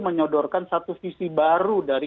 menyodorkan satu visi baru dari